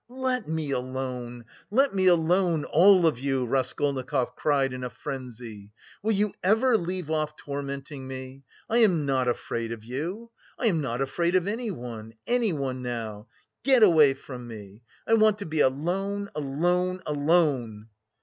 "Let me alone let me alone all of you!" Raskolnikov cried in a frenzy. "Will you ever leave off tormenting me? I am not afraid of you! I am not afraid of anyone, anyone now! Get away from me! I want to be alone, alone, alone!"